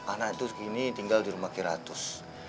anak itu sekarang tinggal di rumah kheratus